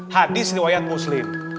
hadis riwayat muslim